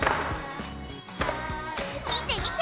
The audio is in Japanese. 見て見て！